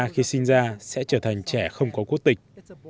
cô gái của tôi đã trở thành một người trẻ không có quốc tịch